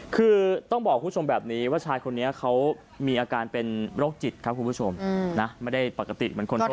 คือต้องบอกคุณผู้ชมแบบนี้ว่าชายคนนี้เขามีอาการเป็นโรคจิตครับคุณผู้ชมนะไม่ได้ปกติเหมือนคนทั่ว